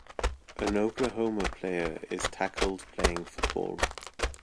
An Oklahoma player is tackled playing football